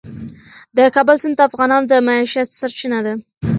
د کابل سیند د افغانانو د معیشت سرچینه ده.